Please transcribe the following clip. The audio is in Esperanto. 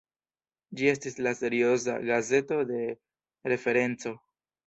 Ĝi estis la serioza "gazeto de referenco".